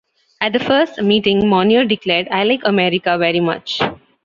At that first meeting Monnier declared, "I like America very much".